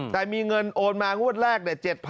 แต่มีเงินโอนมางวดแรก